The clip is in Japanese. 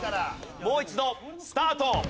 もう一度スタート。